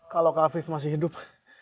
kalau kak afif masih hidup